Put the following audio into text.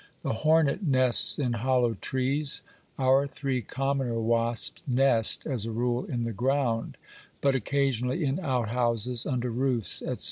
The hornet nests in hollow trees, our three commoner wasps nest, as a rule, in the ground, but occasionally in outhouses, under roofs, etc.